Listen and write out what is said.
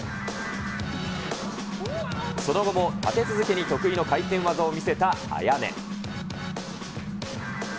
その後も立て続けに得意の回転技を見せたアヤネ。